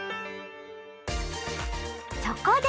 そこで！